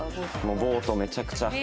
ボートめちゃくちゃ。